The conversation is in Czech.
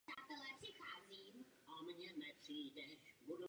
Pavle a Romane, posílám nástřel zkoušky.